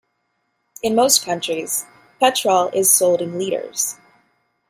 In most countries, petrol is sold in litres